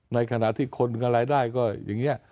ในขณะที่คนอะไรได้ก็อย่างนี้